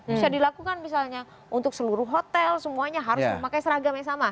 bisa dilakukan misalnya untuk seluruh hotel semuanya harus memakai seragam yang sama